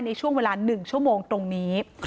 ในช่วงเวลา๑ชั่วโมงตรงนี้